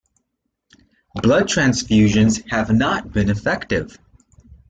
Blood transfusions have not been effective.